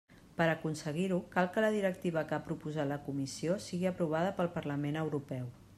Per aconseguir-ho, cal que la directiva que ha proposat la Comissió sigui aprovada pel Parlament Europeu.